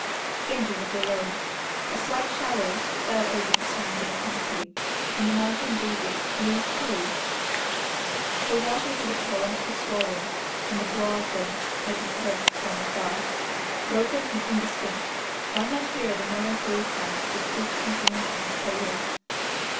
Genji was alone. A slight shower fell over the surrounding country, and the mountain breezes blew cool. The waters of the torrent were swollen, and the roar of them might be heard from afar. Broken and indistinct, one might hear the melancholy sound of the sleepy intonation of prayers.